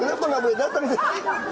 kenapa nggak boleh datang sih